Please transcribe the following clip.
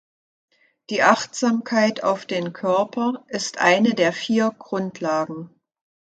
Die Achtsamkeit auf den Körper ist eine der vier Grundlagen.